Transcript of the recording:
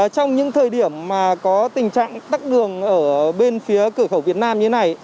trong những thời điểm mà có tình trạng tắt đường ở bên phía cửa khẩu việt nam như thế này